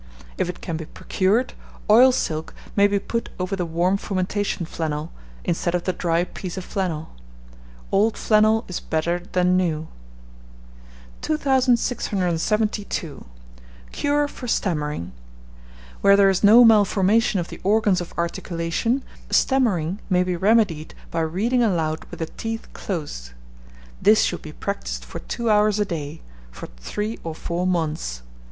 If it can be procured, oil silk may be put over the warm fomentation flannel, instead of the dry piece of flannel. Old flannel is better than new. 2672. CURE FOR STAMMERING. Where there is no malformation of the organs of articulation, stammering may be remedied by reading aloud with the teeth closed. This should be practised for two hours a day, for three or four months.